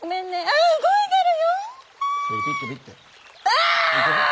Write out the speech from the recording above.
ああ！